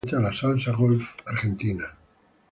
Viene a ser el equivalente a la salsa golf argentina.